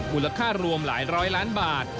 มูลค่ารวมหลายร้อยล้านบาท